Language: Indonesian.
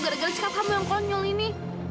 gere gere sekali kamu yang konyol ini